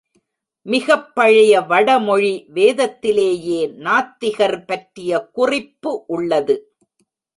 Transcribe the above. மிகப் பழைய வட மொழி வேதத்திலேயே நாத்திகர் பற்றிய குறிப்பு உள்ளது.